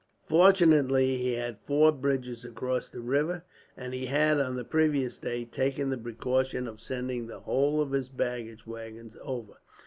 Fortunately he had four bridges across the river; and he had, on the previous day, taken the precaution of sending the whole of his baggage wagons over.